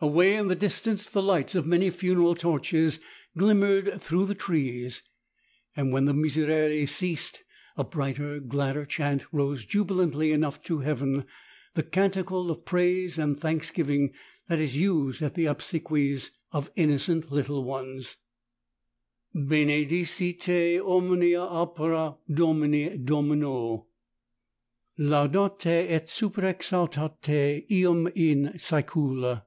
Away in the distance the lights of many funeral torches glimmered through the trees, and when the Miserere ceased, a brighter, gladder chant rose jubilantly enough to Heaven, the canticle of praise and thanksgiving that is used at the obsequies of innocent little ones — Benedicite, omnia opera Domini, Do mino: laudate et super exaltate eum in saecula.